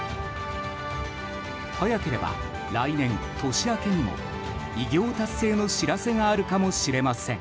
早ければ来年年明けにも偉業達成の知らせがあるかもしれません。